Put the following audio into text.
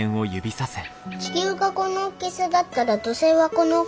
地球がこのおっきさだったら土星はこのおっきさ。